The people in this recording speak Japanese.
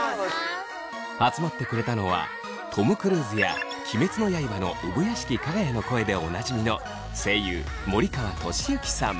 集まってくれたのはトム・クルーズや「鬼滅の刃」の産屋敷耀哉の声でおなじみの声優森川智之さん。